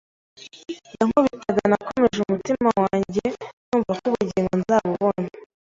yankubitaga nakomeje umutima wanjye numva ko ubugingo nzabubona